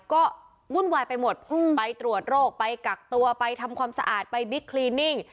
ก็วุ่นวายไปหมดไปตรวจโรคไปกักตัวไปทำความสะอาดไปบิ๊กคลินิ่ง